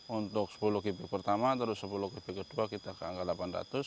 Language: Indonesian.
untuk sepuluh kipik pertama terus sepuluh kipik kedua kita ke angka delapan ratus